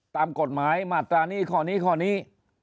ตามกฎหมายมาตรานี้ข้อนี้ข้อนี้